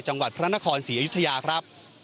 จพระนคร๔อาจิทยา